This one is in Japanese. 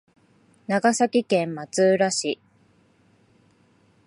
長崎県松浦市